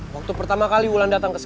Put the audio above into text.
waktu pertama kali wulan datang ke sini